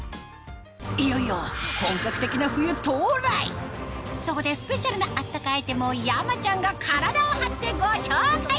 いよいよ本格的なそこでスペシャルなあったかアイテムを山ちゃんが体を張ってご紹介！